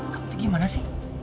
kamu tuh gimana sih